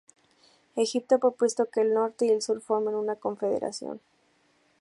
Egipto ha propuesto que el Norte y el Sur formen una confederación.